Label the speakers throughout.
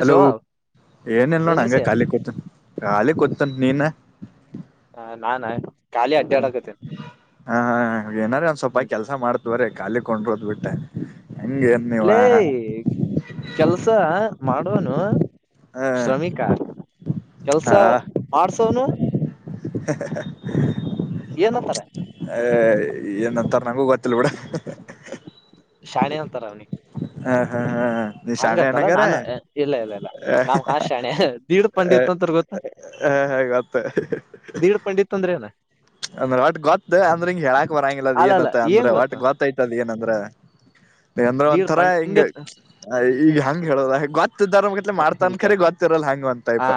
Speaker 1: Hello ಏನಿಲ್ಲ
Speaker 2: ಏನ್
Speaker 1: ಅಣ್ಣಾ ಹಂಗ
Speaker 2: ನಡ್ಸಿ
Speaker 1: ಖಾಲಿ ಕೂತನ್ ಖಾಲಿ ಕೂತನ್ ನೀನ
Speaker 2: ಹ ನಾನ ಖಾಲಿ ಅಡ್ಡಾಡಕತ್ತೇನೆ
Speaker 1: ಹಾ ಹಾ ಏನಾರ ಒಂದ್ ಸ್ವಲ್ಪ
Speaker 2: ಹ್ಮ್
Speaker 1: ಕೆಲ್ಸ ಮಾಡ್ತವ್ರ ಕಾಲಲೆ ಕೊಂಡ್ರೋದ್ ಬಿಟ್ಟೆ
Speaker 2: ಲೇ ಕೆಲ್ಸ ಮಾಡೋನು ಶ್ರಮಿಕ ಕೆಲ್ಸ ಮಾಡ್ಸವನು ಏನಂತಾರ
Speaker 1: ಹ ಏನ ತರ ಮಂಗೂ ಗೊತ್ತಿಲ್ಲ ಬಿಡ
Speaker 2: ಶಾನಿ ಅಂತಾರ ಅವ್ನಿ
Speaker 1: ಹಾ ಹಾ ಹಾ ಹ ನಿಶಾನ ನಗರ
Speaker 2: ನಾನು ಇಲ್ಲ ಇಲ್ಲ ಇಲ್ಲ ನಾವ್ ಹಾ ಶಾಣೆ ದೀಡ್ ಪಂಡಿತ್ ಅಂತಾರ ಗೊತ್ತ
Speaker 1: ಹಾ ಹ ಗತ್ತ
Speaker 2: ದೀಡ್ ಪಂಡಿತ್ ಅಂದ್ರೆ ಏನ
Speaker 1: ಅಂದ್ರೆ ಒಟ್ ಗೊತ್ತ ಅಂದ್ರೆ ಹಿಂಗ ಹೇಳಾಕ್ ಬರಂಗಿಲ್ಲದ್
Speaker 2: ಅಲ್ಲಲ್ಲ
Speaker 1: ಏನ್ತ್ತ
Speaker 2: ಏನ್
Speaker 1: ಅಂದ್ರೆ
Speaker 2: ಗೊತ್ತ
Speaker 1: ಒಟ್ ಗೊತ್ತಾಯ್ತದ ಏನಂದ್ರೆ ನೀ ಅಂದ್ರ
Speaker 2: ದೀಡ್
Speaker 1: ಒಂಥರಾ
Speaker 2: ಪಂಡ್
Speaker 1: ಹಿಂಗ
Speaker 2: ಪಂಡಿತ್
Speaker 1: ಈಗ ಹಂಗ ಹೇಳದ ಗೊತ್ತ ಹ ದಾರ ಗಟ್ಲೆ
Speaker 2: ಇಲ್
Speaker 1: ಮಾಡ್ತಾನಾ
Speaker 2: ಕೇಳ
Speaker 1: ಕರೆ ಗೊತ್ತರಲ್ಲ ಹಂಗ ಒನ್ ಟೈಪ್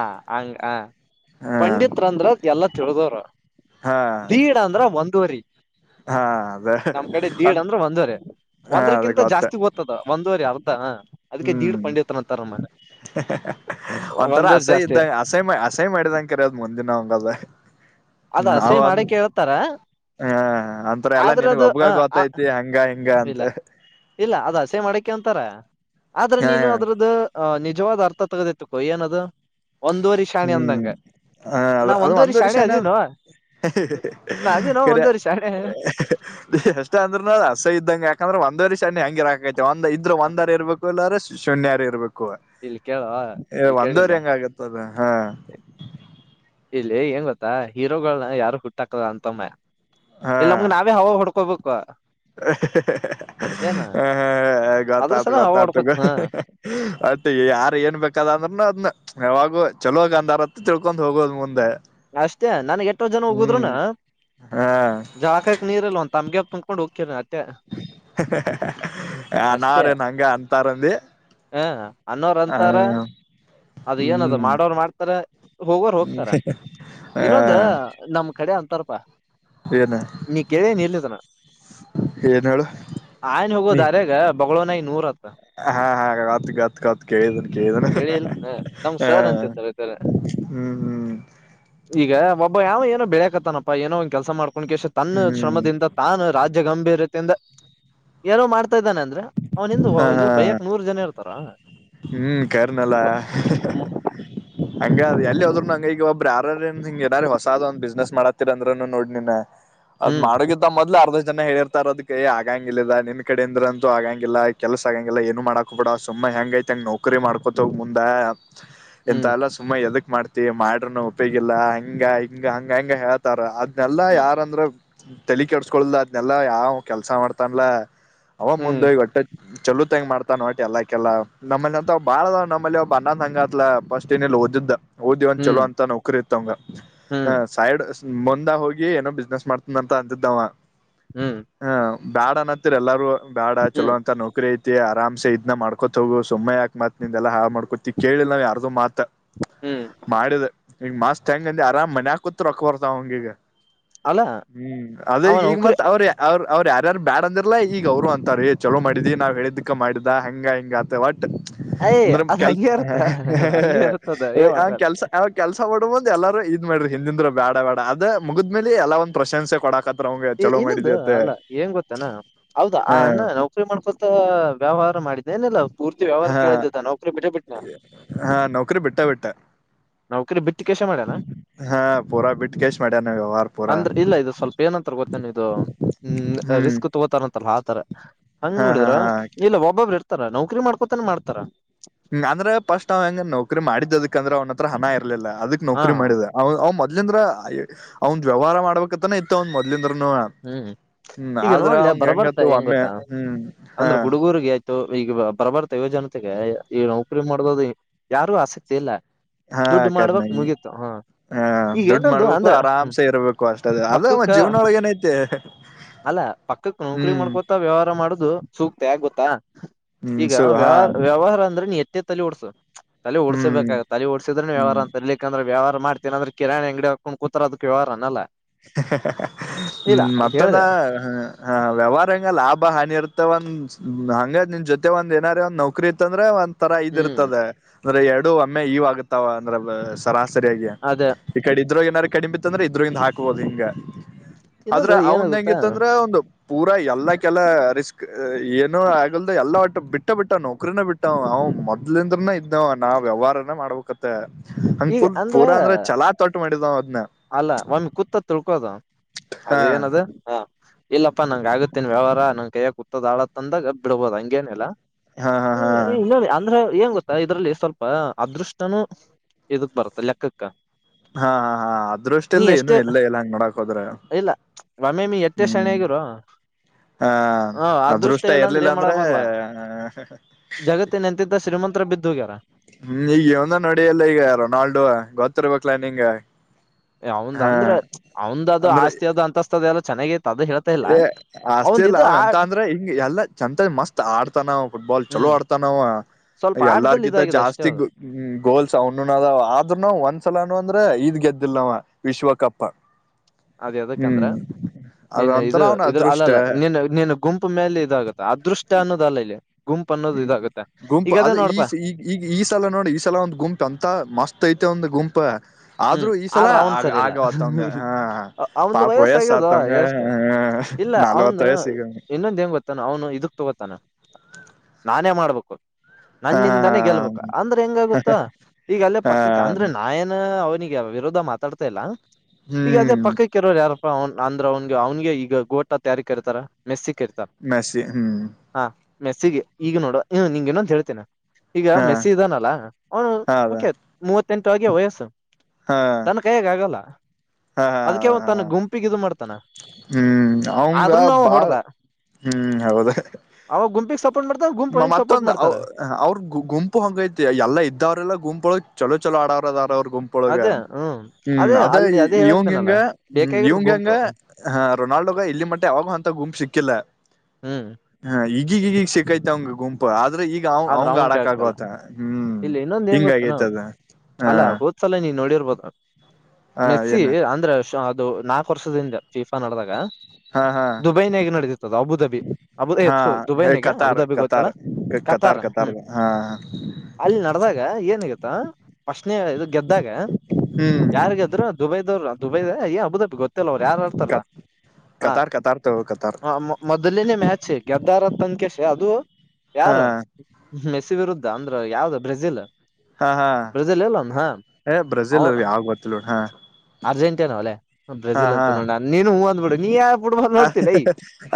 Speaker 1: ಹ
Speaker 2: ಪಂಡಿತ್ ಅಂದ್ರ ಎಲ್ಲ ತಿಳಿದವ್ರ
Speaker 1: ಹಾ
Speaker 2: ದೀಡ ಅಂದ್ರ ಒಂದುವರಿ
Speaker 1: ಹಾ ಅದೇ
Speaker 2: ನಮ್ ಕಡೆ ದೀಡ್
Speaker 1: ಅದ್
Speaker 2: ಅಂದ್ರೆ ಒಂದುವರಿ
Speaker 1: ಹ ಅದ
Speaker 2: ಒಂದರಕ್ಕಿಂತ
Speaker 1: ಗೊತ್ತ
Speaker 2: ಜಾಸ್ತಿ ಒತ್ತದ ಒಂದೂವರೆ ಅರ್ಧ ಅದಕ್ಕೆ ದೀಡ್
Speaker 1: ಹ್ಮ್
Speaker 2: ಪಂಡಿತನ ಅಂತಾರ ಮನೆ
Speaker 1: ಒಂಥರ ಅಸಹ
Speaker 2: ಜಾಸ್ತಿ
Speaker 1: ಇದ್ದ ಅಸಹ ಅಸಹ ಮಾಡಿದಂ ಕರ ಅದ್ ಮುಂದಿನ ಅಂಗದ
Speaker 2: ಅದ
Speaker 1: ನಾವ
Speaker 2: ಅಸಹ್ಯ ಮಾಡಕ್ಕೆ ಹೇಳ್ತಾರ
Speaker 1: ಹಾ ಒಂತರ ಎಲ್ಲಾ
Speaker 2: ಆದ್ರ
Speaker 1: ನನ್ಗ್
Speaker 2: ಅದು
Speaker 1: ಒಬ್ಬಗ
Speaker 2: ಹ
Speaker 1: ಗೊತ್ತೈತಿ ಹಂಗ ಹಿಂಗ ಅಂತ
Speaker 2: ಇಲ್ಲ ಇಲ್ಲ ಅದ ಹಸೇ ಮಾಡಕೆ ಅಂತಾರ ಆದ್ರೆ
Speaker 1: ಹ
Speaker 2: ನೀನು ಅದ್ರದ್ದ ಅ ನಿಜವಾದ ಅರ್ಥ ತಗದಿತ್ತು ಪಾ ಏನದು ಒಂದುವರಿ ಶಾಣಿ
Speaker 1: ಹ್ಮ್
Speaker 2: ಅಂದಂಗ ನಾವು ಒಂದುವರಿ ಶಾಣಿ ಅದ
Speaker 1: ಹ ಹ ಹ ಹ ಕರೆ ಹ
Speaker 2: ಒಂದೂವರಿ ಶಾಣೆ
Speaker 1: ಹ ಹ ಹ ಎಷ್ಟ ಅಂದ್ರನು ಅಸಯ್ಯಾ ಇದ್ದಂಗೆ ಯಾಕಂದ್ರೆ ಒಂದ್ವರಿ ಶನಿ ಹಂಗಿರಾಕೈತೆ ಒಂದ ಇದ್ರರು ಒಂದರ ಇರಬೇಕು ಇಲ್ಲೆ ಶೂನ್ಯಾರರ ಇರಬೇಕು ಹಕುವ
Speaker 2: ಇಲ್
Speaker 1: ಒಂದವರ ಹೆಂಗ ಆಗತ್ತ ಅಲ್ಲ
Speaker 2: ಹ ಇಲ್ಲಿ ಏನ್ ಗೊತ್ತಾ ಹೀರೋಗಳನ ಯಾರು ಹುಟ್ಟಾಕ್ತದ ಅಂತಮ್ಮ
Speaker 1: ಹಾ
Speaker 2: ಇಲ್ಲ ನಮ್ಗ ನಾವೇ ಹವ ಹೊಡ್ಕೊಬೇಕು
Speaker 1: ಹ ಹ
Speaker 2: ಅದ್ರ
Speaker 1: ಗೊತ್ತಾತು
Speaker 2: ಸಲ ಹವಾ
Speaker 1: ಗೊತ್ತಾಯ್ತು
Speaker 2: ಹೊಡ್ಕೋತ್
Speaker 1: ಗ
Speaker 2: ಹ
Speaker 1: ಅತ್ತ ಯಾರ ಏನ್ ಬೇಕದ ಅಂದ್ರ ನ ಅದ್ ಯಾವಾಗೂ ಚಲೋಗ ಅಂದಾರತ್ರ ತಿಳ್ಕೊಂಡ್ ಹೋಗೋದ್ ಮುಂದೆ
Speaker 2: ಅಷ್ಟೇ ನನ್ಗ್ ಎಟೋ ಜನ
Speaker 1: ಹ್ಮ್
Speaker 2: ಹಗುದ್ನು
Speaker 1: ಹ
Speaker 2: ಜಾಕಕ್ ನೀರ್ಲ್ಲಂತ ತಮಗೆ ತಕೊಂಡುಗಿ
Speaker 1: ಹ
Speaker 2: ಅಷ್ಟೇ
Speaker 1: ನಾರೇನ್ ಹಂಗ ಅಂತಾರಂದ
Speaker 2: ಹ ಅನ್ನೋರ್
Speaker 1: ಹ
Speaker 2: ಅಂತಾರ ಅದ ಏನದ
Speaker 1: ಹ್ಮ್
Speaker 2: ಮಾಡೋರ್ ಮಾಡ್ತಾರ ಹೋಗವರ್ ಹೋಗ್ತಾರ
Speaker 1: ಹ
Speaker 2: ಇನ್ನೊಂದ ನಮ ಕಡೆ ಅಂತಾರಪಾ
Speaker 1: ಏನ್
Speaker 2: ನೀ ಕೆವ ನೀರ್ಲ್ಲದನ
Speaker 1: ಏನ್ ಹೇಳು
Speaker 2: ಆಯ್ನ್
Speaker 1: ನೀ.
Speaker 2: ಹೋಗೋದಾರೆಯಗ ಬೋನ
Speaker 1: ಹಾ ಹಾ ಕತ್ತ್ ಕತ್ ಕೇಳಿದನೆ ಕೇಳಿದನೆ
Speaker 2: ಕೇಳಿ ಇಲ್ಲ ಹ ನಮ್
Speaker 1: ಹಾ
Speaker 2: ಸರ್ ಅಂತಿರ್ತಾರೆ
Speaker 1: ಹ್ಮ್ ಹ್ಮ್
Speaker 2: ಈಗ ಒಬ್ಬ ಯಾವ ಏನೋ ಬೆಳೆಯಕತ್ತನಪ್ಪಾ ಏನೋ ಒಂದ ಕೆಲಸ ಮಾಡ್ಕ ಕುಣಕೇಶ ತನ್ನ
Speaker 1: ಹ್ಮ್
Speaker 2: ಶ್ರಮದಿಂದ ತಾನು ರಾಜ್ಯ ಗಂಭೀರತೆಯಿಂದ ಏನೋ ಮಾಡ್ತಾ ಇದ್ದಾನೆ ಅಂದ್ರೆ ಅವನ ನಿಂದು
Speaker 1: ಹ ಹ
Speaker 2: ಇದು ಬಯಕ್ ನೂರು ಜನ ಇರ್ತಾರ
Speaker 1: ಹ್ಮ್ ಕರ್ನಲ್ಲ ಹಂಗ ಅ ಎಲ್ಲಿ ಹೋದ್ರುೂ ನಂಗ ಈಗ ಒಬ್ಬ ಬಿ ಯಾರ ಹಂಗಗೆಏರ ಹೊಸಾದ್ ಒಂದ ಬಿಸ್ನೆಸ್ ಮಾಡತ್ತೀರ ಅಂದ್ರನು ನೋಡ್ ನೀನ ಅದ್
Speaker 2: ಹ್ಮ್
Speaker 1: ಮಾಡೋಗಿದ್ದ ಮೊದ್ಲು ಅರ್ಧಷ್ಟ ಜನ ಹೇಳಿರ್ತ ಇರೋದಕ್ಕೆ ಆಗಂಗ ಇಲ್ಲ ನಿನ್ ಕಡೆಯಿಂದ್ರಂತೂ ಆಗಂಗಿಲ್ಲ ಕೆಲ್ಸ ಆಗಂಗಿಲ್ಲ ಏನು ಮಾಡಕ ಬ ಬಿಡ ಸುಮ್ಮ ಹೆಂಗ ಯತಿ ನೌಕರಿ ಮಾಡ್ಕೊತೋಗ್ ಮುಂದ ಎಂತ
Speaker 2: ಹ್ಮ್
Speaker 1: ಎಲ್ಲ ಸುಮ್ಮ ಎದಕ್ ಮಾಡ್ತಿ ಮಾಡ್ರನು ಉಪಯೋಗಿಲ್ಲಾ ಹಂಗ ಹಿಂಗ ಹಂಗ ಹಂಗ ಹೇಳ್ತಾರ ಅದ್ನೆಲ್ಲಾ
Speaker 2: ಹ್ಮ್
Speaker 1: ಯಾರಂದ್ರ ತಲಿ ಕೆಡ್ಸ್ಕೊಳ್ದ ಅದ್ನೆಲ್ಲಾ ಯಾವ ಕೆಲ್ಸ ಮಾಡ್ತನ್ಲ ಅವ ಮುಂದ ಹೊಟ್ಟೆ ಚಲೋ ತಂಗ್ ಮಾಡ್ತಾನೋ ನಟಿ ಎಲ್ಲಾಕಲ್ಲಾ ನಮ್ಮಲ್ಲಿ ಅಂತ್ ಬಾಳಾವ್ ನಮ್ಮಲ್ಲಿ ಅವ್ ಬ್ಣಂದ್ ಹಂಗತ್ಲ ಫಸ್ಟ್ ಏನಲ್ಲಿ ಓದಿದ್ದ ಓದಿವವನ್
Speaker 2: ಹ್ಮ್
Speaker 1: ಚಲೋ
Speaker 2: ಹ್ಮ್
Speaker 1: ಅಂತ ನೌಕರಿ ಇತ್ವಂಗ ಹ
Speaker 2: ಹ್ಮ್
Speaker 1: ಸೈಡ್ ಮುಂದ ಹೋಗಿ ಏನೋ ಬಿಸ್ನೆಸ್ ಮಾಡ್ತನ ಅಂತ ಅಂತಿದ್ದವ
Speaker 2: ಹ್ಮ್
Speaker 1: ಹ ಬ್ಯಾಡ ಅನತ್ತರ್ ಎಲ್ಲಾರೂ ಬೇಡ ಚಲೋ
Speaker 2: ಹ್ಮ್
Speaker 1: ಅಂತ ನೌಕರಿ ಐತಿ ಆರಾಮ್ಸೆ ಇದನ ಮಾಡ್ಕೊತ ಹೋಗೋ ಸುಮ್ಮೆ ಯಾಕ ಮಾತ್ ನಿಂದೆಲ್ಲಾ ಹಾಳ ಮಾಡ್ಕೊತಿ ಕೇಳಿಲ್ಲ ನಾವ ಯಾರ್ದು ಮಾತ
Speaker 2: ಹ್ಮ್
Speaker 1: ಮಾಡಿದೆ ಈಗ ಮಾಸ್ತ್ಗಂದ ಆರಾಮ್ ಮನೆ ಹಾಕೂತ್ ರೊಕ್ ಬರ್ತಾವ್ಂಗಿಗ
Speaker 2: ಅಲ್ಲ
Speaker 1: ಹ್ಮ್ ಅದ
Speaker 2: ಅವ
Speaker 1: ಈಗ ಈಗ
Speaker 2: ನೌಕರಿ
Speaker 1: ಮತ್ತತ್ ಅವ್ರ ಅವ್ರ ಅವ್ರು ಯಾರ್ಯಾರು ಬ್ಯಾಡ ಅಂದರ್ಲ್ಲಾ ಈಗ ಅವರು ಅಂತಾರೀ ಚಲೋ ಮಾಡಿದಿ ನಾವ್ ಹೇಳಿದಕ ಮಾಡಿದ ಹಂಗ ಹಿಂಗ ಆ ಬಟ್
Speaker 2: ಯ್
Speaker 1: ಅಂದ್ರೆ
Speaker 2: ಅದ್
Speaker 1: ಕೆಲ್
Speaker 2: ಹಂಗೆ ಇರುತ್ತ ಹಂಗೆ ಇರುತ್ತದ ಏ
Speaker 1: ಆ
Speaker 2: ಮಾಡ್ಬೇಡ
Speaker 1: ಕೆಲ್ಸ ಆ ಕೆಲ್ಸ ಹೊಬ್ ಎಲ್ಲಾರೂ ಇದ್ ಮಾಡ್ರರು ಹಿಂದ್ ಬೇಡ ಬೇಡ ಅದ ಮುಗಿದ್ಮೇಲೆ ಎಲ್ಲ ಒಂದ ಪ್ರಶಂಸೆ ಕೊಡಾಕ
Speaker 2: ಇನ್ನೊಂದು ಅಲ್ಲ ಏಂಗ್ ಗೊತ್ತನಾ ಹೌದ ಆ ಅಣ್ಣ ನೌಕರಿ ಮಾಡ್ಕೊತ ವ್ಯವಹಾರ ಮಾಡ ನ ನಲ್ಲಾ ಪೂರ್ತಿ ವ್ಯವಹಾರ
Speaker 1: ಹ
Speaker 2: ಕೇಳತ ನೌಕರಿ ಬಿಟೆ ಬಿಟನ
Speaker 1: ಹ ನೌಕರಿ ಬಿಟ್ಟ ಬಿಟ್ಟ
Speaker 2: ನೌಕರಿ ಬಿಟ್ಟು ಕೆಸ ಮಾಡ್ಯಣ
Speaker 1: ಹಾ ಪೂರಾ ಬಿಟ್ಟ ಕಷ್ಟ್ ಮಾಡ್ಯನ ವ್ಯವಹಾರ ಪೂರಾ
Speaker 2: ಇದುಮ
Speaker 1: ಹ್ಮ್
Speaker 2: ರಿಸ್ಕ್ ತಗೋತಾರಂತಲ್ಲ ಆತಾರೆ ಹಂಗ
Speaker 1: ಹಾ ಹಾ
Speaker 2: ನೋಡಿದ್ರ
Speaker 1: ಹಾ
Speaker 2: ಇಲ್ಲ ಒ ಬ್ ಇರ್ತಾರ ನೌಕರಿ ಮಾಡ್ಕೊತಾನೆ ಮಾಡ್ತಾರ
Speaker 1: ಹಂಗ ಅಂದ್ರೆಫಸ್ಟ್ ಹೆಂಗ ನೌಕರಿ ಮಾಡಿದ್ದದಕ ಅಂದ್ರ ಅವನ ಹತ್ರ ಹಣ ಲಿಲ್ಲ ಅದಕ್
Speaker 2: ಹ
Speaker 1: ನೌಕರಿ ಮಾಡಿದಿದೆ ಅವ್ ಮೊದಲಿಂದ್ರ ಅವ್ ವ್ಯವಹಾರ ಮಾಡಬೇಕಾನ ಇತ್ತು ಅವ್ ಮೊದಲಿಂದ್ರ
Speaker 2: ಹ್ಮ್
Speaker 1: ಹ್ಮ್
Speaker 2: ಈಗ
Speaker 1: ಆದ್ರ
Speaker 2: ನೋಡ್ಲ
Speaker 1: ಅವಂಗ
Speaker 2: ಬರಬರ್ತ
Speaker 1: ಹೆಂಗತ
Speaker 2: ಹೆಂಗ್
Speaker 1: ಒಮ್ಮೆ
Speaker 2: ಗೊತ್ತಾ
Speaker 1: ಹ್ಮ್ ಹಾ
Speaker 2: ಅಂದ್ರ ಹುಡುಗರ್ರಿಗೆ ಆಯ್ತು ಈಗ ಬರಬಾರತೆ ಯುವ ಜನತೆಗೆ ಈ ನೌಕರಿ ಮಾಡ್ದದು ಯಾರು ಆಸಕ್ತಿ ಇಲ್ಲ ದುಡ್ಡು ಮಾಡ್ಬಕ್ ಮುಗೀತು ಹಾ
Speaker 1: ಹಹ
Speaker 2: ಈಗ
Speaker 1: ದುಡ್ಡು
Speaker 2: ಏನೊಂದು
Speaker 1: ಮಾಡ್ಬೇಕು
Speaker 2: ಅಂದ್ರ
Speaker 1: ಆರಾಮಸೆ ಇರಬೇಕು ಅಷ್ಟದ ಅದ
Speaker 2: ಪಕ್ಕಕ್ಕ
Speaker 1: ಜೀವನೊಳಗೆ ಏನೈ
Speaker 2: ಅಲ್ಲ ಪಕ್ಕಕ್ ನೌಕರಿ
Speaker 1: ಹ್ಮ್
Speaker 2: ಮಾಡ್ಕೊತ ವ್ಯವಹಾರ ಮಾಡುದು ಸೂಕ್ತ ಆಗ್ ಗೊತ್ತಾ
Speaker 1: ಹ್ಮ್
Speaker 2: ಈಗ
Speaker 1: ಸೊ
Speaker 2: ವ್ಯ
Speaker 1: ಹಾ
Speaker 2: ವ್ಯವಹಾರ ಅಂದ್ರೆ ನೀ ಎತ್ತೆತ್ತಲ್ಲಿ ಓಡ್ಸ ತಲೆ
Speaker 1: ಹ್ಮ್
Speaker 2: ಓಡ್ಸಬೇಕು ತಲೆ ಓಡಸಿದ್ರೆ
Speaker 1: ಹ್ಮ್
Speaker 2: ವ್ಯವಹಾರ ತಲಿ ಅಂದ್ರೆ್ಯವಹ ಮಾಡ್ತೇನ ಅ್ರ ಕಿರಣಿ ಅಂಗಡಿ ಹಾಕೊಂಡು ಕೂತ ಅದಕ್ಕೆಯವಾರ ಅನ್ನಲ್ಲ
Speaker 1: ಹ್ಮ
Speaker 2: ಇಲ್ಲ
Speaker 1: ಮತ್ತೊಂದ
Speaker 2: ಹೇಳ್ದೆ
Speaker 1: ವ್ಯವಹಾರಂಗ ಲಾಭ ತ ಹಾನಿ ಇರ್ತ ಒಂದ ಹಂಗ ನಿನ್ ಜೊತೆ ಒಂದ್ ಏನಾರ ಒಂದ್ ನೌಕರಿ ಇತ್ತಂದ್ರೆ ಒಂದ ತರ ಇದ
Speaker 2: ಹ್ಮ್
Speaker 1: ಇರ್ತದೆ ಅಂದ್ರೆ ಎರಡು ಒಮ್ಮೆ ಇವ ಆಾಗುತ್ತಾವ ಅಂದ್ರೆ ಸರಾಸ ಸರಿಯಾಗಿ
Speaker 2: ಅದ
Speaker 1: ಈ ಕಡೆ ಇದ್ರ ಏನಾರು ಕಡಿಮಿತ್ತ ಅಂದ್ರೆ ಇದ್ರಗಿಂದ ಹಾಕ್ಬಹುದು ಹಿಂಗ
Speaker 2: ಹ
Speaker 1: ಆದ್ರ ಅವಂದ ಹೆಂಗಿತ್ತಂದ್ರ ಒಂದು ಪೂರಾ ಎಲ್ಲಾ ಕೆಲ ರಿಸ್ಕ್ ಏನ ಆಗಲ್ದ ಎಲ್ಲ ಒಟ್ಟು ಬಿಟ್ಟ ಬಿಟ್ಟ ಬಿಟ್ಟ ನೌಕ್ರಿನ ಬಿಟ್ಟಾವ್ ಮೊದ್ಲಿಂದ್ರನ ಇದವ್ ನಾ ವ್ಯವಹಾರನ ಮಾಡ್ಬೇಕತ್ತ ಹಂಗ
Speaker 2: ಈಗ
Speaker 1: ಪೂಲ್
Speaker 2: ಅಂದ್ರ
Speaker 1: ಪೂರಾ ಅಂದ್ರೆ ಚಲಾ ತೋಟ್ ಮಾಡಿದವ ಅದ್ನ
Speaker 2: ಅಲ್ಲ ಒಮ್ಮಿ ಕೂತ ತಿಳ್ಕೋದು ಅದ
Speaker 1: ಹಾ
Speaker 2: ಏನದು ಹ ಇಲ್ಲಪ್ಪಾ ನಂಗಗೆ ಆಗುತ್ತೆೇನ್ ವ್ಯವಹಾರ ನಂಗಯ್ಯಕ ಕೂದ ಆಳತಂದಾಗ ಬಿಡ್ಬಹದು ಹಂಗೇನಿಲ್ಲ
Speaker 1: ಹಾ ಹಾ
Speaker 2: ಹ
Speaker 1: ಹಾ
Speaker 2: ಇನ್ನ ಅಂದ್ರೆ ಏಂಗ ಗ ಇದ್ರಲ್ಲಿ ಸ್ವಲ್ಪ ಅದೃಷ್ಟನುೂ ಇದಕ್ ಬರುತ್ತೆ ಲೆಕ್ಕಕ್ಕ
Speaker 1: ಹಾ ಹಾ ಹಾ ಅದ್ರ
Speaker 2: ನೀ
Speaker 1: ಅಷ್ಟೆಲ್ಲ ಏನು
Speaker 2: ಎಷ್ಟೇ
Speaker 1: ಎಲ್ಲ ಎಲ್ಲ ಹಂಗ್ ಮಾಡಕ್ ಹೋದ್ರ
Speaker 2: ರಮೇಮಿ ಎತ್ತೆಷ್ಟ ಸಣ
Speaker 1: ಹ್ಮ್
Speaker 2: ಆಗಿರ
Speaker 1: ಹ
Speaker 2: ಹ ಅದೃಷ್ಟ ಇಲ್ಲಾ ಅಂದ್ರೆ ಏನ್ ಮಾಡ ಬರ್ಲ್ಲ ಜಗತ್ತಿನ ನೆಂತಿದ್ದ ಶ್ರೀಮಂತ್ರ
Speaker 1: ಹ್ಮ್ ಈಗಂದ ನಡಿ ಎಲ್ಲ ಈಗ ರೊನಾಲ್ಡೊ ಗೊತ್ತಿರ್ಬೇಕಕ್ಲಾ ನಿಗ
Speaker 2: ಅವಂದ್ ಅಂದ್ರೆ ಅವಂದ್ ಅದು
Speaker 1: ಅಂದ್ರೆ
Speaker 2: ಆಸ್ತಿ ಅದು ಅಂತಸ್ತದ ಎಲ್ಲ ಚೆನ್ನಾಗತ್ತು
Speaker 1: ಏ ಆಸ್ತಿ ಇಲ್ಲ ಅವ ಎಂತ ಅಂದ್ರೆ ಹಿಂಗ ಎಲ್ಲ ಚಂತ ಮಸ್ತ್ ಆಡ್ತಾನ ಫುಟ್ಬಾಲ್ ಚಲೋ
Speaker 2: ಹ್ಮ್
Speaker 1: ಆಡ್ತಾ ನವು
Speaker 2: ಸ್ವಲ್ಪ ಆಟದಲ್ಲಿ
Speaker 1: ಎಲ್ಲಾರ್ಗಿಂತ
Speaker 2: ಇದಾಗಿದೆ ಅಷ್ಟೇ
Speaker 1: ಜಾಸ್ತಿ
Speaker 2: ಅದು
Speaker 1: ಗೋ ಗೋಲ್ಸ್ ಅವನುನದವ ಆದುರ್ನು ಒಂದ್ಸಲಾನು ಅಂದ್ರ ಇದ್ ಗೆದ್ದ ದಿಲ್ಲ ಅವ ವಿಶ್ವಕಪ್.
Speaker 2: ಅದ್ ಯದಕ್ಕಂದ್ರ.
Speaker 1: ಹ್ಮ್
Speaker 2: ನೀನ್
Speaker 1: ಅದಂತರ
Speaker 2: ಇದು
Speaker 1: ಅವ್ನ
Speaker 2: ಇದ
Speaker 1: ಅದೃಷ್ಟ
Speaker 2: ಅಲ್ಲಲ್ಲ ನೀನು ನಿನು ಗುಂಪು ಮ್ಯಾಲ ಇದಾಗುತ್ತ ಅದೃಷ್ಟ ಅನ್ನೋದಲ್ಲ ಇಲ್ಲಿ ಗುಂಪ ಅನ್ನೋದ.
Speaker 1: ಹ್ಮ್ಮ್ ಗುಂಪು ಅದ ಈ ಈಗ ಈಗ ಈ ಸಲ ನೋಡ ಈ ಸಲ ಒಂದ್ ಗುಂಪು ಎಂತ ಮಸ್ತ್ ಐತ. ತ ಒಂದ ಗುಂಪ.
Speaker 2: ಹ್ಮ್
Speaker 1: ಆದ್ರೂ ಈ ಸಲ
Speaker 2: ಆದ್ರ ಅವ್ನ್
Speaker 1: ಆಗ
Speaker 2: ಸರಿಯಿಲ್ಲ
Speaker 1: ಆಗವತ್ತವಂಗ ಹಾ
Speaker 2: ಅವಂದು
Speaker 1: ಪಾಪ
Speaker 2: ವಯಸ್ಸ ಆಗ್ಯಾದೋ.
Speaker 1: ಆತವಂಗ
Speaker 2: ಹೈಯಸ್ಟ್ ಇಲ್ಲ
Speaker 1: ನಲ್ವತ್ತು
Speaker 2: ಅವನು
Speaker 1: ವಯಸ್ಸ ಈಗ
Speaker 2: ಇನ್ನೊಂದ್ ಏನ್ ಗೊತ್ತನ ಅವನು ಇದಕ್ ತಗೋತಾನ. ನಾನೇ ಮಾಡ್ಬೇಕು.
Speaker 1: ಹ
Speaker 2: ನನ್ನಿಂದಾನೆ ಗೆಲ್ಬೇಕ ಅಂದ್ರ ಹೆಂಗಾಗುತ್ತೊ ಈಗ ಅಲ್ಲೇ
Speaker 1: ಹ
Speaker 2: ಪಕ್ಕಕ್ಕ ಅಂದ್ರೆ ನಾಯೇನ್ ಅವ ನೀಗ ವಿರೋಧ ಮಾತಾಡ್ತಾ ಇಲ್ಲ ಈಗ ಅದೇ
Speaker 1: ಹ್ಮ್
Speaker 2: ಪಕ್ಕಕ್ಕಿರೋರು ಯಾರೊ. ಅವನ್ ಅಂದ್ರ ಅವ್ನಗೆ ಅವ್ನೆಗೆ ಈಗ ಗೊಟ ಅತ ಯಾರಿಗ ಕರಿತಾರ ಮೆಸ್ಸಿಗ.
Speaker 1: ಮೇಸೇ ಹ್ಮ್
Speaker 2: ಮೆಸ್ಸಿಗೆ ಈಗ ನೋಡ ನಿಂಗ ಇನ್ನೊಂದು ಹೇಳ್ತಿನಾ. ಈಗ
Speaker 1: ಹಾ
Speaker 2: ಮೆಸ್ಸಿ ಇದಾನಲ್ಲ ಅವನು
Speaker 1: ಹೌದ
Speaker 2: ಓಕೆ ಮೂವತ್ತೆಂಟ ಆಗ್ಯವ ವಯಸ್ಸ.
Speaker 1: ಹಾ
Speaker 2: ತನ್ನ ಕೈಯಾಗ ಆಗಲ್ಲ.
Speaker 1: ಹಾ
Speaker 2: ಅದಕ್ಕೆ
Speaker 1: ಹ
Speaker 2: ಅವನ್ ತನ್ನ
Speaker 1: ಹ
Speaker 2: ಗುಂಪಿಗೆ ಇದು ಮಾಡ್ತಾನ
Speaker 1: ಹ್ಮ್ ಅವಂಗ
Speaker 2: ಆದ್ರೂ ಅವ ಹೊಡ್ದ
Speaker 1: ಬಾಳ್. ಹ್ಮ್ ಹೌದ.
Speaker 2: ಅವಾಗ ಗುಂಪಿಗೆ ಸಪೋರ್ಟ್ ಮಾಡ್ತಾನ ಗುಂಪ
Speaker 1: ಮ
Speaker 2: ಅವನಿಗೆ ಸಪೋರ್ಟ್
Speaker 1: ಮತ್ತೊಂದ ಅವ
Speaker 2: ಮಾಡ್ತಾರ
Speaker 1: ಅವ್ರ ಗುಂಪು ಹಂಗೈತಿ ಎಲ್ಲಾ ಇದ್ದವ್ರೆಲ್ಲಾ ಗುಂಪೊಳಗ ಚಲೋ. ಚಲೋ ಆಡವರ ಅದರ ಅವ್ರು. ಗುಂಪೊಳಗ
Speaker 2: ಅದೇ ಹ್ಮ್
Speaker 1: ಹ್ಮ್
Speaker 2: ಅದೇ
Speaker 1: ಅದ
Speaker 2: ಅಲ್ಲಿ ಅದೇ
Speaker 1: ಇವಂಗ
Speaker 2: ಹೇಳಕ್ತೇನಲ್ಲ
Speaker 1: ಹೆಂಗ ಹ್ಮ
Speaker 2: ಬೇಕಾಗಿರೋದು
Speaker 1: ಇವಂಗ ಹೆಂಗ
Speaker 2: ಗುಂಪು
Speaker 1: ಹ ರುಣ. ಪಾಲ್ಡುಗ ಇಲ್ಲಿ ಮಟ್ಟ ಯಾವಾಗ ಹಂತರ್ ಗುಂಪು ಸಿಕ್ಕಿಲ್ಲ
Speaker 2: ಹ್ಮ್
Speaker 1: ಹ ಈಗೀಗ ಈಗ ಸಿಕ್ಕೈತಿ. ಅವುಂಗ ಗುಂಪ ಆದ್ರ ಈಗ ಅವ ಅವಂಗ ಆಡಕ್ ಆಗವಲ್ತ.
Speaker 2: ಇಲ್ಲ ಇನ್ನೊಂದ ಏನ್ ಗೊತ್ತೇನು
Speaker 1: ಹಾ
Speaker 2: ಅಲ್ಲಾ ಹೋದ್ಸಲ ನೀ ನೋಡಿರ್ಬೇಕ.
Speaker 1: ಹ
Speaker 2: ಮೆಸಿ
Speaker 1: ಏನ
Speaker 2: ಅಂದ್ರ ಶ ಅದು ನಾಕ ವರ್ಷದಿಂದ ಚಿಫಾ ನಡ್ದಾಗ.
Speaker 1: ಹಾ ಹಾ
Speaker 2: ದುಬೈನಾಗ ನಡೆದಿತ್ತದು ಅಬುಧಬಿ ಅಬುದಿ
Speaker 1: ಹಾ
Speaker 2: ತು ದುಬೈನಾಗ
Speaker 1: ಕತಾರ್
Speaker 2: ಅಬುದಬಿ ಗೊತ್ತಿಲ್ಲಾ.
Speaker 1: ಕತಾರ್ ಕತಾರ್ ಕತಾರ್ ಹಾ.
Speaker 2: ಅಲ್ಲಿ ನಡದಾಗ ಏನ್ ಆಗತ್ತ ಪಶನೆ ಇದ ಗೆದ್ದಾಗ
Speaker 1: ಹ್ಮ್
Speaker 2: ಯಾರ್ ಗೆದ್ರು ದುಬೈದವ ದುಬೈದ ಅಬುದಬಿ ಗೊತ್ತಿಲ್ಲ ಅವರ ಯಾರ ಆಡ್ತಾರಲ
Speaker 1: ಕತ್
Speaker 2: ಹಾ
Speaker 1: ಕತಾರ್ ಕತಾರ್ ತಗೋ ಕತಾರ್
Speaker 2: ಮ ಮದು ಮೊದಲನೇ ಮ್ಯಾಚ್ ಗೆದ್ದಾರತನಕಷ ಅದು
Speaker 1: ಹಾ
Speaker 2: ಯಾರು ಮೆಸಿ ವಿರುದ್ಧ ಅಂದ್ರ. ರ ಯಾವ್ದ ಬ್ರೆಜಿಲ್.
Speaker 1: ಹಾ ಹಾ
Speaker 2: ಬ್ರೆಜಿಲ್ ಎಲ್ಲ ಒಂದ ಹಾ
Speaker 1: ಏ ಬ್ರೆಜಿಲ್ ಯಾವ ಗೊತ್ತಿಲ್ಲೊಣ ಹಾ.
Speaker 2: ಅರ್ಜೆಂಟೆನೋಲೆ ಹ್ ಬ್ರೆಜಿಲ್ ಅಂತಿನ ನೋಡ ನೀನು ಹೂ ಅಂದ್ಬಿಡು ನೀ ಯಾ
Speaker 1: ಹ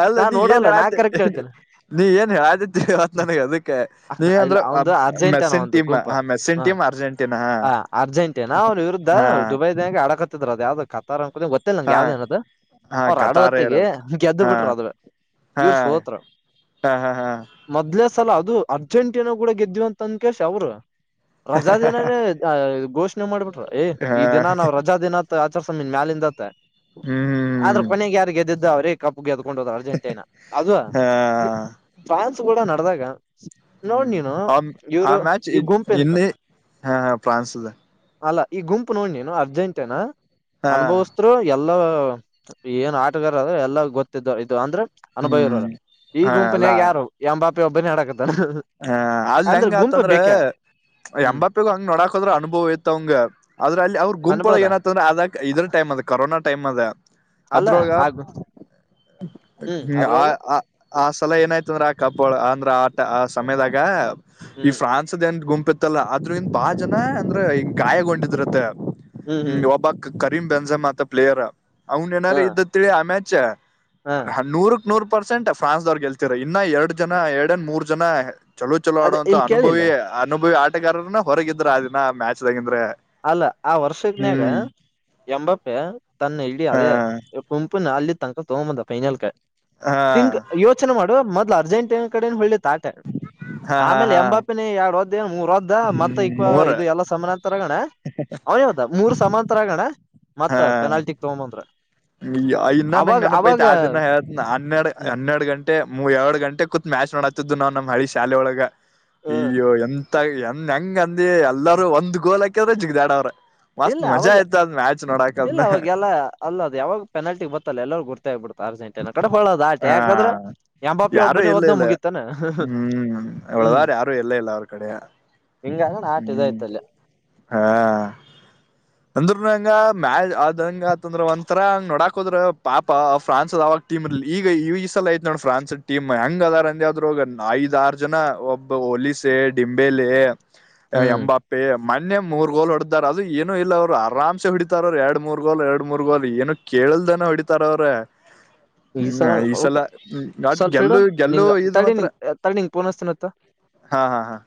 Speaker 1: ಅಲ್ಲ ನೀ ಏನ್
Speaker 2: ನಾ
Speaker 1: ಹೇಳಾತಿ.
Speaker 2: ಕರೆಕ್ಟ್ ಹೇಳ್ತೇನೆ
Speaker 1: ನೀ ಏನ್ ಹೇಳಾತಿ ತಿಳವಾಲ್ತ ನನಗ ಅದಕ್ ನೀ
Speaker 2: ಇಲ್ಲ
Speaker 1: ಅಂದ್ರ
Speaker 2: ಅವಂದು ಅರ್ಜೆಂಟನ
Speaker 1: ಮೆಸಿನ್
Speaker 2: ಒಂದು
Speaker 1: ಟೀಮ್
Speaker 2: ಗುಂಪ
Speaker 1: ಹಾ
Speaker 2: ಹ
Speaker 1: ಮೆಸೆನ್ಟೀಮ್ ಅರ್ಜೆಂಟ
Speaker 2: ಹ ಅರ್ಜೆಂಟೇನಾ ಅವರ್ ವಿರುದ್ಧ ದುಬೈದ್ಯಂಗ ಅಡಕತ್ತಿದ್ರು ಅದ ಯಾವ್ದ್ ಕತರ ಗೊತ್ತಿಲ್ಲ ನಂಗ
Speaker 1: ಹಾ
Speaker 2: ಯಾವ್ದೇನದು
Speaker 1: ಹಾ
Speaker 2: ಅವ್ರ
Speaker 1: ಕತಾರ
Speaker 2: ಆಡವತ್ತಿಗೀ
Speaker 1: ಇರೋಕೆ
Speaker 2: ಗೆದ್ದು
Speaker 1: ಹಾ
Speaker 2: ಬಿಟ್ರ ಅದ್ರ.
Speaker 1: ಹಾ
Speaker 2: ಇವ್ರ ಸೋತ್ರು
Speaker 1: ಹಾ ಹಾ ಹಾ
Speaker 2: ಮೊದ್ಲೇ. ಸಲ ಅದು ಅರ್ಜೆಂಟೇನಾ ಗೂಡ ಗೆದ್ವಿ ಅಂತ ಅಂದಕೇಶಿ ಅವ್ರು. ರಜಾ ದಿನನೇ ಘೋಷಣೆ ಮಾಡ್ಬಿಟ್ರ ಏ
Speaker 1: ಹಾ
Speaker 2: ಈ ದಿನ ನಾವ್ ರಜಾ ದಿನ ಅತ. ಚರ್ಚ್ಸನ್ ಮ್ಯಾಲಿಂದತ್ತ ಆದ್ರ
Speaker 1: ಹ್ಮ್
Speaker 2: ಕೊನೆಗೆ ಯಾರು ಗೆದ್ದಿದ್ದು ಅವ್ರೇ ಕಪ್ ಗೆದಕೊ ಕೊಂಡ ಹೋದ ಅರ್ಜೆಂಟೇನ ಅದು
Speaker 1: ಹಾ
Speaker 2: ಫ್ರಾನ್ಸ್ಗೂಡ ನಡದಾಗ. ನೋಡ್
Speaker 1: ಹ್ಮ್
Speaker 2: ನೀನು.
Speaker 1: ಆ ಆ
Speaker 2: ಇವ್ರು
Speaker 1: ಮ್ಯಾಚ್ ಈ
Speaker 2: ಗುಂಪ ಏನಿತ್ತ
Speaker 1: ಇನ್ನೇ ಹಾ ಫ್ರಾನ್ಸ್ದ.
Speaker 2: ಅಲ್ಲ ಈ ಗುಂಪು ನೋಡ್ ನೀನು ಅರ್ಜೆಂಟೇನ
Speaker 1: ಹಾ
Speaker 2: ಅನುಭವಿಸ್ತಿರೋ ಯ ಎಲ್ಲೊ ಏನ್ ಆಟಗಾರ ಅದ ಎಲ್ಲ ಗೊತ್ತಿದ್ದ ಇದು ಅಂದ್ರ. ಅನುಭವಿ ಇರೋರ
Speaker 1: ಹ್ಮ್
Speaker 2: ಈ
Speaker 1: ಹ ಅಲ್ಲಾ
Speaker 2: ಗುಂಪನ್ಯಾಗ ಯಾರು ಎಮ್ಬ್ಯಾಪಿ ಒಬ್ಬನ ಆಡಾಕತಾನ್.
Speaker 1: ಹ ಅಲ್ಲಿ ಹೆಂಗ ಆತಂದ್ರ.
Speaker 2: ಹ್ಮ್
Speaker 1: ಎಂಬಾಪ್ಪಿಗ ಹಂಗ ನೋಡಾಕಹೋದ್ರ ಅನುಭವ ಇತ್ತು ಅವಂಗ ಆದ್ರ ಅಲ್ಲಿ ಅವ್ರ ಗುಂಪೊಳಗ
Speaker 2: ಅನ್ಬೋದ
Speaker 1: ಏನತಂದ್ರ ಅದಕ ಇದ್ರ ಟೈಮ್ ಕರೋನಾ ಟೈಮ ಅ
Speaker 2: ಅಲ್ಲ
Speaker 1: ಅದ್ರೊಗ
Speaker 2: ಆಗ ಹ್ಮ್
Speaker 1: ಹ್ಮ ಆ
Speaker 2: ಅದ್ರೊಳಗ
Speaker 1: ಆ ಸಲ ಏನಾಯ್ತ ಅಂದ್ರೆ ಆ ಕಪೋಳ ಅಂದ್ರ ಆಟ ಆ ಸಮಯದಾಗ ಈ
Speaker 2: ಹ್ಮ್
Speaker 1: ಫ್ರಾನ್ಸ್ ದನ್ ಗುಂಪ ಪ್ಪತ್ತಲ್ಲ ಆದ್ರ ಇನ್ ಬಾಳ ಜನ ಅಂದ್ರೆ ಗಾಯಗೊಂಡಿದ್ರತ್ತ
Speaker 2: ಹ್ಮ್ ಹ್ಮ್
Speaker 1: ಹ ಒಬ್ಬಕ್ ತ ಪ್ಲೇಯರ್ ಅವನ್ ಏನಾರ
Speaker 2: ಹಾ
Speaker 1: ಇದ ತಿಳಿ ಆ ಮ್ಯಾಚ್ರ್
Speaker 2: ಹಾ
Speaker 1: ನೂರ್ ಪರ್ಸೆಂಟ್ ಫ್ರಾನ್ಸ್ವರು ಗೆಲ್ತತಿರ ಇನ್ನ ಎರಡು ಜನ ಎರಡನ್ ಮೂರ್ ಜನ ಚಲೋ ಚಲೋ
Speaker 2: ಅದ
Speaker 1: ಆಡೋವಂಂತ
Speaker 2: ಇಲ್
Speaker 1: ಅನುಭವಿ
Speaker 2: ಕೇಳಿಲ್ಲ
Speaker 1: ಅನುಭವಿ ಆಟಗಾರರನ ಹೊರಗಿದ್ರ ಆ ದಿನ ಮ್ಯಾಚ್್ದಾಗಂದ್ರೆ
Speaker 2: ಅಲ್ಲ ಆ ವರ್ಷ ಇದದನ್ಯಾಗ ಎಂಬಪ್ಪೆ ತನ್ನ ಇಡ
Speaker 1: ಹ
Speaker 2: ಅದೇ ಗುಂಪಿನ ಅಲ್ಲಿ ತಕ ತಗಂಬಂದ ಫೈನಲ್
Speaker 1: ಹಾ
Speaker 2: ತಿಂಗ ಯೋಚನೆ ಮಾಡುವ ಮ ಅರ್ಜೆಂಟೀನಾ ಕಡೆ ಹೊಳ್ಳಿ ತ ಆಟ
Speaker 1: ಹಾ ಹಾ
Speaker 2: ಆಮೇಲೆ
Speaker 1: ಹಾ
Speaker 2: ಎಂಬಾಪ್ಪಿನ ಯ ಎರ ಹ ಮೂರ ಅದ್ದ ಮತ್ತ
Speaker 1: ಹ್ಮ್
Speaker 2: ಈಕ್
Speaker 1: ಮೂರ
Speaker 2: ಇದು ಎಲ್ಲ ಸಮಾನ ಅಂತರಗಣ ಅವಾವದ ಮೂರ್ ಸಮಾನರಗಣ
Speaker 1: ಹಾ
Speaker 2: ಮತ್ತತ್ ಪೆನಾಲ್ಟಿಗ್ ತಗೊಬಂದ್ರ
Speaker 1: ಇನ್ನ ನಂಗ್ ನೆನಪ ಐತಿ ಆ ದಿನ ಹನ ಹನ್ನೆಡ್
Speaker 2: ಹ್ಮ್
Speaker 1: ಹನ್ನೆರಡ್ ಗಂಟೆ ಮೂ ಎರಡ್ ಗಂಟೆ ಕುತ್ ಮ್ಯಾಚ್ ನೋಡಾತ್ತಿದ್ದು ನಾ್ ನಮ್ ಹಳಿ ಶಾಲೆ ಒಳಗ ಈಯ್ಯೋ ಎ ಎಂದ ಹೆಂಗ ಅಂದ ಎಲ್ಲರೂ ಒಂದ್ ಗೋಲ್ ಹಾಕ್ಯಿದ್ರೆ ಜಿಗ ದಾಡ ಅವ್ರ ಮಸ್ತ್
Speaker 2: ಇಲ್ಲ ಅವಾಗ
Speaker 1: ಮಜಾ ಆಯ್ತ ಅದ್ ಮ್ಯಾಚ್ ನೋಡಕದ್ಮ
Speaker 2: ಇಲ್ಲ ಅವಾಗೆಲ್ಲ ಅಲ್ಲ ಅದು ಯಾವಾಗ ಪೆನಲ್ಟಿ ಗೊತ್ತಲ್ಲ ಎಲ್ಲರೂ ಗುತ ಆಗ್ಬಿಡ್ತ ಅರ್ಜಂಟೀನಾ ಕಡೆೋದು ಆಟ
Speaker 1: ಹ
Speaker 2: ಯಕ್ರೆ ಯ ಬಾಪಿ
Speaker 1: ಯಾರು
Speaker 2: ಒಬ್ಬನೇ
Speaker 1: ಇಲ್ಲ
Speaker 2: ಹೋದ್ನ
Speaker 1: ಇಲ್ಲ
Speaker 2: ಮುಗೀಿತಾನ
Speaker 1: ಹ್ಮ್
Speaker 2: ಹ್ಮ್
Speaker 1: ಉಳದವ್ರ ಯಾರು ಇಲ್ಲ ಇಲ್ಲ ಅವ್ರ ಕಡೆ
Speaker 2: ಹಿಂಗಾರ ಆಟ
Speaker 1: ಹ್ಮ್
Speaker 2: ಇದಐ್ತಲ್ಲ
Speaker 1: ಅಂದ್ರಂಗ ಮ್ಯಾ ಅದಂಗಂದ್ರ ಒಂಥರಂಗ್ ನೋಡಾಕೋದ್ರ ಪಾಪ ಫ್ರಾನ್ಸ್ ಆಾಗ ಟೀಮ ಇಲ್ಲಿ ಈ ಸಲ ಆಯ್ ನೋಡ ಪ್ರೇನ್ಸ್ ಟಮ್ ಹೆಂಗ್ ಹಂಗ ಅದಾರಂದ್ರರು ಐದ ಆಾರ ಜನ ಒಬ್ಬ ಹ ಹೊಲಸ ಡಿಂಬೆಲೆ
Speaker 2: ಹ್ಮ್
Speaker 1: ಅಂಬಾಪ್ಪೆ ಮೊೆ ಮೂರ್ ಗೋಲ್ ಹೊಡದಾರ ಅದು ಏನು ಇಲ್ಲ ಅವರು ಆರಾಮ್ೆ ಹೊಡಿತಾರ ಅವರು ಎರಡು ಮೂರ್ ಗೋಲ್ ಎರಡು ಮೂರ್ ಗೋಲ್ ಏನು ಕೇಳ ಹೇಳಲ್ದನ ಹೊಡಿತಾರ ಅವ್ರ
Speaker 2: ಈ
Speaker 1: ಹ್ಮ್
Speaker 2: ಸಲ ನೋಡ್ಬೇಕು
Speaker 1: ಈಸಲ್ಮ ಅಟ್
Speaker 2: ಸ್ವಲ್ಪ ಇಡು
Speaker 1: ಗೆಲ್ಲು ಗೆಲ್ಲು
Speaker 2: ನಿಂಗ
Speaker 1: ಇದು
Speaker 2: ತಡಿ
Speaker 1: ಮಾತ್ರ
Speaker 2: ನಿಂಗ ತಡಿ ನಿಂಗ್ ಪೋನ್ ಹಚ್ತಿನತ್ತ.
Speaker 1: ಹಾ ಹಾ ಹಾ